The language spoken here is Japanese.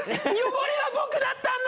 汚れは僕だったんだ！